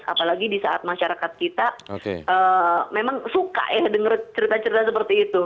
apalagi di saat masyarakat kita memang suka ya denger cerita cerita seperti itu